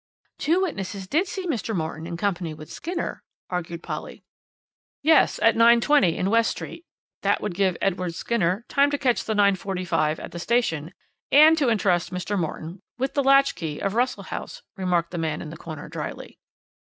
"Two witnesses did see Mr. Morton in company with Skinner," argued Polly. "Yes, at 9.20 in West Street; that would give Edward Skinner time to catch the 9.45 at the station, and to entrust Mr. Morton with the latch key of Russell House," remarked the man in the corner dryly.